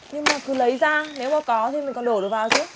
nhưng mà cứ lấy ra nếu có thì mình còn đổ được vào trước